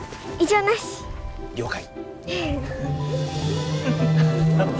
了解。